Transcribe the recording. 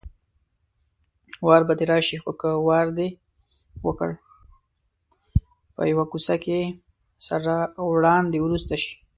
په یوه کوڅه کې سره وړاندې ورسته شي.